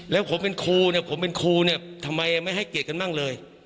แล้วผมเป็นครูเนี่ยทำไมไม่ให้เกลียดกันบ้างเลย